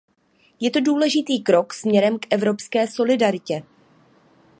Je to důležitý krok směrem k evropské solidaritě.